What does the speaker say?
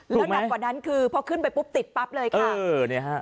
แล้วหนักกว่านั้นคือพอขึ้นไปปุ๊บติดปั๊บเลยค่ะ